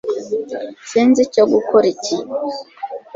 sinzi icyo gukora iki